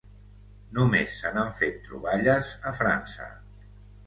Només se n'han fet troballes a França.